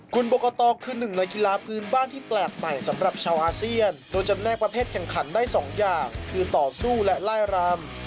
คุณบกตคือหนึ่งในกีฬาพื้นบ้านที่แปลกใหม่สำหรับชาวอาเซียนโดยจำแนกประเภทแข่งขันได้๒อย่างคือต่อสู้และไล่รำ